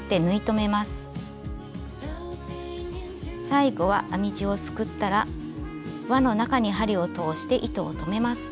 最後は編み地をすくったら輪の中に針を通して糸を留めます。